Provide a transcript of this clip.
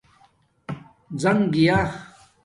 زنگ گیا